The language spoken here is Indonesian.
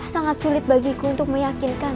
sangat sulit bagiku untuk meyakinkan